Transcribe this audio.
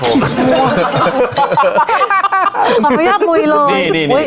ขออนุญาตลุยเลย